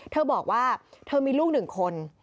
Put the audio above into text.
เธอบอกว่าเธอมีลูกหนึ่งคน